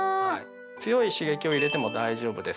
強い刺激を入れても大丈夫です。